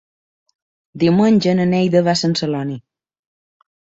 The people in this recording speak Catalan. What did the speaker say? Diumenge na Neida va a Sant Celoni.